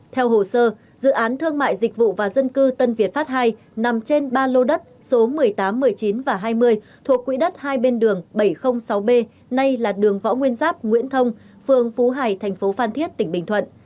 theo hồ sơ dự án thương mại dịch vụ và dân cư tân việt pháp ii nằm trên ba lô đất số một mươi tám một mươi chín và hai mươi thuộc quỹ đất hai bên đường bảy trăm linh sáu b nay là đường võ nguyên giáp nguyễn thông phường phú hải thành phố phan thiết tỉnh bình thuận